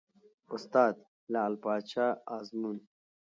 استاد : لعل پاچا ازمون